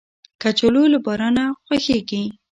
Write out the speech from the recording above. کچالو له بارانه خوښیږي